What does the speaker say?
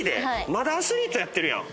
まだアスリートやってるやん！